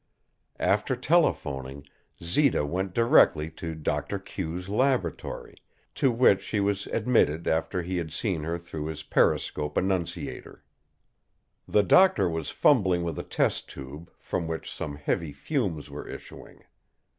After telephoning, Zita went directly to Doctor Q's laboratory, to which she was admitted after he had seen her through his periscope annunciator. The doctor was fumbling with a test tube, from which some heavy fumes were issuing.